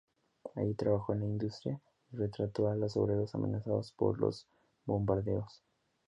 Allí trabajó en la industria y retrató a los obreros amenazados por los bombardeos.